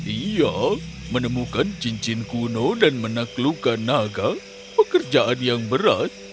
ia menemukan cincin kuno dan menaklukkan naga pekerjaan yang berat